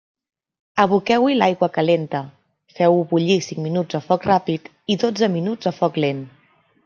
Aboqueu-hi l'aigua calenta, feu-ho bullir cinc minuts a foc ràpid i dotze minuts a foc lent.